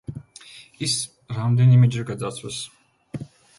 ის რამდენიმეჯერ გაძარცვეს.